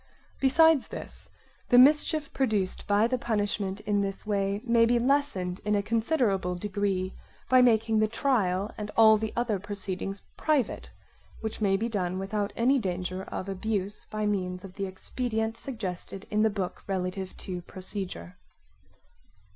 Besides this, the mischief produced by the punishment in this way may be lessened in a considerable degree by making the trial and all the other proceedings private, which may be done without any danger of abuse by means of the expedient suggested in the book relative to procedure.